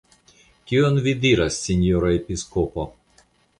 Kion vi diras, sinjoro episkopo?